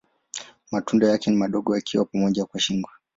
Matunda yake ni madogo yakiwa pamoja kwa shingo.